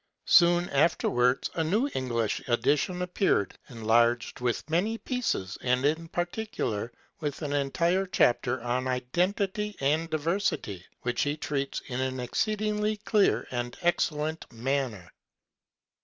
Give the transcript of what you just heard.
Soon afterwards a new English edition appeared, enlarged with many pieces, and in particular with an entire chapter 3 on Identity and Diversity, which he treats in an exceedingly clear and excellent manner.